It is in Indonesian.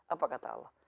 apa kata allah